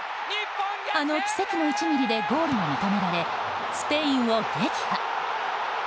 あの奇跡の１ｍｍでゴールが認められスペインを撃破。